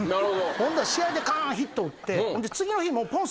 ほんで試合でカーンヒット打って。